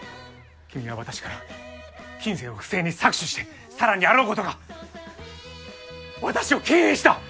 君は私から金銭を不正に搾取して更にあろうことか私を敬遠した！